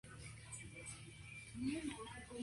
Medalla de Oro de la isla de Tenerife.